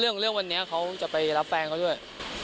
เรื่องวันนี้เขาจะไปรับแฟนเขาด้วย